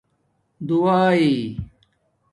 دُݸائئ